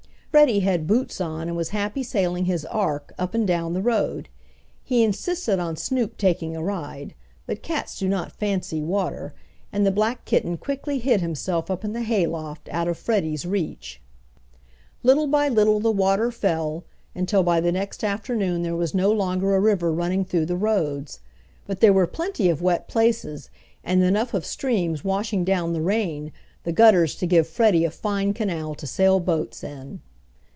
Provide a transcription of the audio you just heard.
Freddie had boots on, and was happy sailing his "ark" up and down the road. He insisted on Snoop taking a ride, but cats do not fancy water and the black kitten quickly hid himself up in the hay loft, out of Freddie's reach. Little by little the water fell, until by the next afternoon there was no longer a river running through the roads. But there were plenty of wet places and enough of streams washing down the rain the gutters to give Freddie a fine canal to sail boats in.